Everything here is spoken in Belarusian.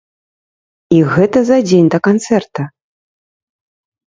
І гэта за дзень да канцэрта!